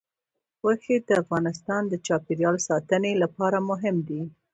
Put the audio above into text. غوښې د افغانستان د چاپیریال ساتنې لپاره مهم دي.